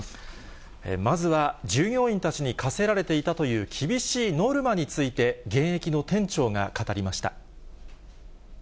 まずは従業員たちに課せられていたという厳しいノルマについて、現役の店長が語りました。